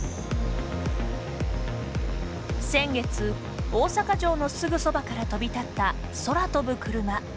先月、大阪城のすぐそばから飛び立った空飛ぶクルマ。